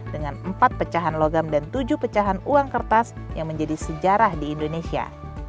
dengan empat pecahan logam dan tujuh pecahan uang kertas yang menjadi sejarah di indonesia